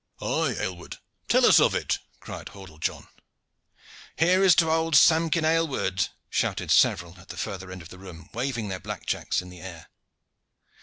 "Aye, Aylward, tell us of it," cried Hordle John. "Here is to old Samkin Aylward!" shouted several at the further end of the room, waving their blackjacks in the air.